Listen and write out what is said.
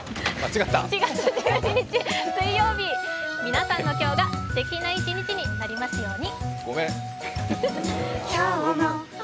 ７月１２日、水曜日、皆さんの今日がすてきな一日になりますように。